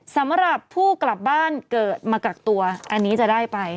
สำหรับผู้กลับบ้านเกิดมากักตัวอันนี้จะได้ไป